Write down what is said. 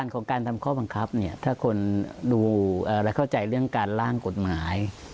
ของการทำข้อบังคับเนี่ยถ้าคนดูและเข้าใจเรื่องการล่างกฎหมาย